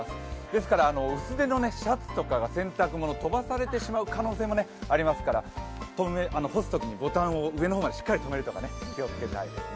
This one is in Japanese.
ですから、薄手のシャツとかが洗濯物、飛ばされてしまう可能性もありますから、干すときにボタンを上の方までしっかりとめるとか気をつけてください。